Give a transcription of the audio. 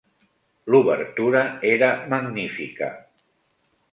L'obertura era magnífica.